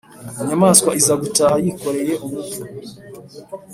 inyamaswa iza gutaha yikoreye umupfu